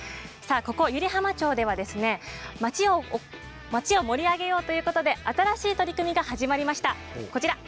湯梨浜町は町を盛り上げようということで新しい取り組みが始まりました。